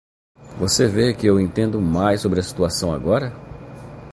Você vê que eu entendo mais sobre a situação agora?